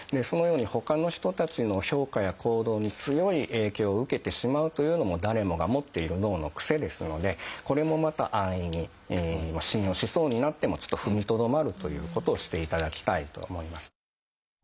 そのようにほかの人たちの評価や行動に強い影響を受けてしまうというのも誰もが持っている脳のクセですのでこれもまた安易に信用しそうになってもちょっと踏みとどまるということをしていただきたいと思います。